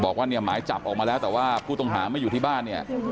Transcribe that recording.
บอกว่าเนี่ยหมายจับออกมาแล้วแต่ว่าผู้ต้องหาไม่อยู่ที่บ้านเนี่ย